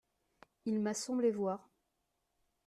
Il m’a semblé voir…